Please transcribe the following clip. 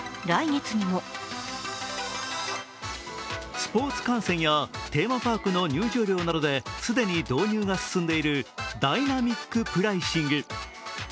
スポーツ観戦やテーマパークの入場料などで、既に導入が進んでいるダイナミックプライシング。